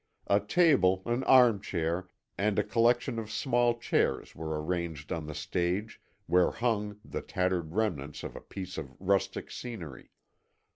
A table, an arm chair, and a collection of small chairs were arranged on the stage, where hung the tattered remnants of a piece of rustic scenery.